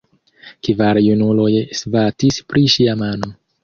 Kvar junuloj svatis pri ŝia mano.